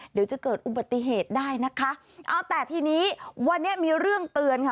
เดี๋ยวจะเกิดอุบัติเหตุได้นะคะเอาแต่ทีนี้วันนี้มีเรื่องเตือนค่ะ